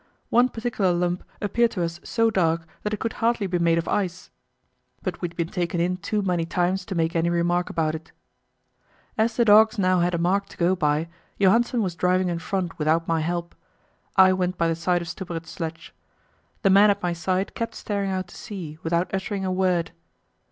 One particular lump appeared to us so dark that it could hardly be made of ice; but we had been taken in too many times to make any remark about it. As the dogs now had a mark to go by, Johansen was driving in front without my help; I went by the side of Stubberud's sledge. The man at my side kept staring out to sea, without uttering a word.